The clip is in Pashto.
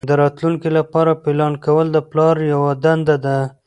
د راتلونکي لپاره پلان کول د پلار یوه دنده ده.